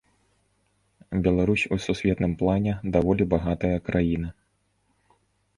Беларусь у сусветным плане даволі багатая краіна.